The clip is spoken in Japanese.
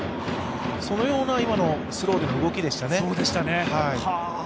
そのような、今のスローでの動きでしたね。